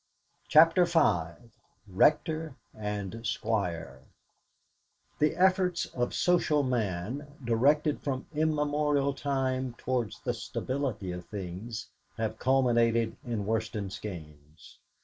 CHAPTER V RECTOR AND SQUIRE The efforts of social man, directed from immemorial time towards the stability of things, have culminated in Worsted Skeynes.